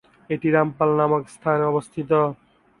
এটি রামপাল নামক স্থানে অবস্থিত।